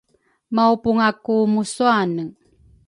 maupungaku musuane.